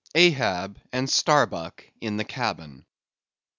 Ahab and Starbuck in the Cabin.